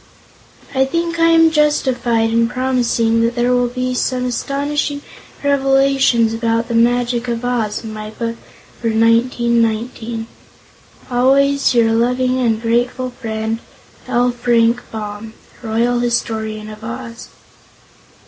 I think I am justified in promising that there will be some astonishing revelations about The Magic of Oz in my book for 1919. Always your loving and grateful friend, L. FRANK BAUM. Royal Historian of Oz.